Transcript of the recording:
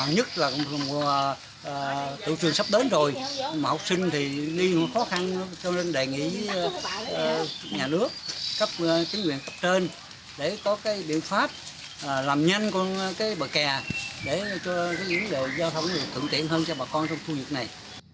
nhất là tự trường sắp đến rồi mà học sinh thì đi khó khăn cho nên đề nghị nhà nước cấp kinh nguyện cấp trên để có biện pháp làm nhanh con bờ kè để cho những đồ giao thông thượng tiện hơn cho bà con trong khu vực này